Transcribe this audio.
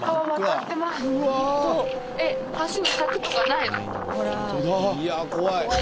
いや怖い。